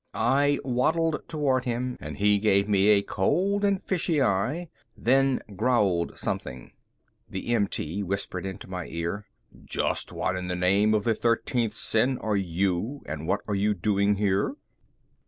I waddled toward him and he gave me a cold and fishy eye, then growled something. The MT whispered into my ear, "Just what in the name of the thirteenth sin are you and what are you doing here?"